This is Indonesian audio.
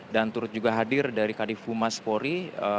dan turut juga hadir dari kadifumas polri